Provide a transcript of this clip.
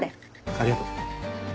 ありがとう。